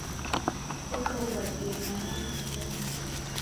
Oka uw'adie mwana mangonyi.